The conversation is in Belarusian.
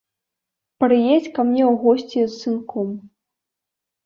Прыедзь ка мне ў госці з сынком.